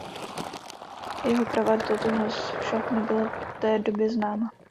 Jeho pravá totožnost však nebyla v té době známa.